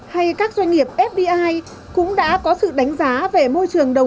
hay các doanh nghiệp fbi cũng đã có sự đánh giá về môi trường đầu tư